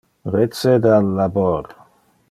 Recede al labor.